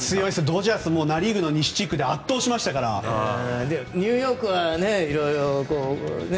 ドジャースはナ・リーグの西地区でニューヨークは色々。